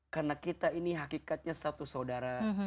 karena kita ini hakikatnya satu saudara